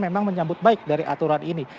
memang menyambut baik dari aturan ini